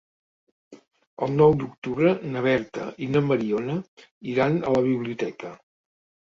El nou d'octubre na Berta i na Mariona iran a la biblioteca.